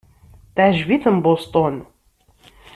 Teɛjeb-iten Boston.